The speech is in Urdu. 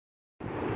اورمیخانے بھی۔